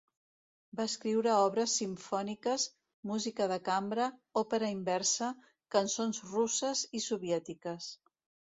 Va escriure obres simfòniques, música de cambra, òpera inversa, cançons russes i soviètiques.